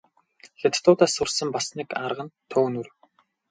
Хятадуудаас сурсан бас нэг арга нь төөнүүр.